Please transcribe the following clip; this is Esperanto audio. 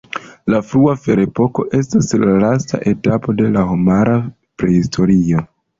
La frua ferepoko estas la lasta etapo de la homara prahistorio.